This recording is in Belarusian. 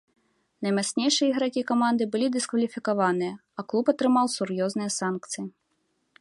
Наймацнейшыя ігракі каманды былі дыскваліфікаваныя, а клуб атрымаў сур'ёзныя санкцыі.